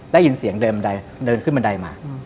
ได้ยินเสียงเดิมเดินขึ้นบันไดมา